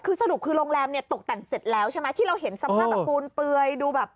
คือสรุปคือโรงแรมเนี่ยตกแต่งเสร็จแล้วใช่ไหมที่เราเห็นสภาพแบบปูนเปลือยดูแบบ